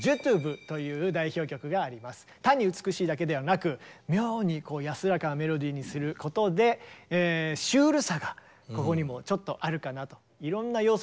単に美しいだけではなく妙に安らかなメロディーにすることでシュールさがここにもちょっとあるかなと。